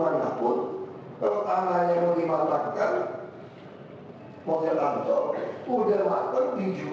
udah ada rancangan peraturan daerah ini